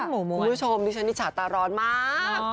คุณผู้ชมดิฉันอิจฉาตาร้อนมาก